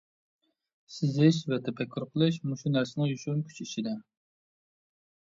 سىزىش ۋە تەپەككۇر قىلىش مۇشۇ نەرسىنىڭ يوشۇرۇن كۈچى ئىچىدە.